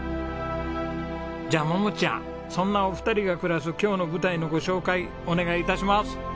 じゃあ桃ちゃんそんなお二人が暮らす今日の舞台のご紹介お願い致します。